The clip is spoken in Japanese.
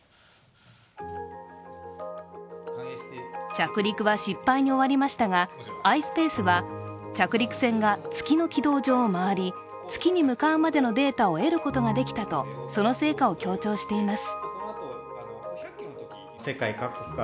着陸は失敗に終わりましたが、ｉｓｐａｃｅは着陸船が月の軌道上を周り月に向かうまでのデータを得ることができたと、その成果を強調しています。